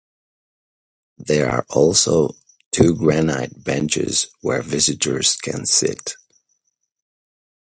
There are also two granite benches where visitors can sit.